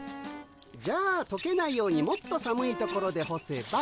じゃあとけないようにもっと寒いところでほせば。